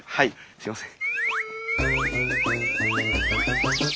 すいません。